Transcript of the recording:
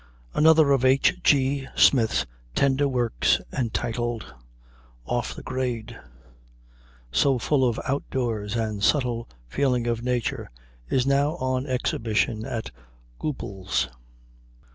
Another of H. G. Smith's tender works, entitled, "Off the Grade," so full of out of doors and subtle feeling of nature, is now on exhibition at Goupil's.'